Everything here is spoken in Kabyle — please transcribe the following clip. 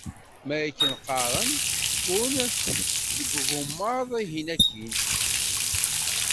Ma akken qqaren, ḥekkun deg ugemmaḍ-ihin akin.